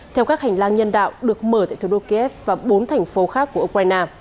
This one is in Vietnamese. theo các hành lang nhân đạo được mở tại thủ đô kiev và bốn thành phố khác của ukraine